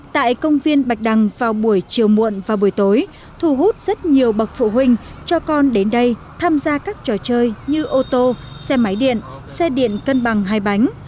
tại công viên bạch đăng vào buổi chiều muộn và buổi tối thu hút rất nhiều bậc phụ huynh cho con đến đây tham gia các trò chơi như ô tô xe máy điện xe điện cân bằng hai bánh